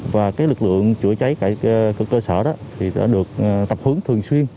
và lực lượng chữa cháy của cơ sở đã được tập hướng thường xuyên